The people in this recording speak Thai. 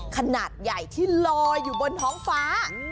ขนาดใหญ่ที่ลอยอยู่บนท้องฟ้า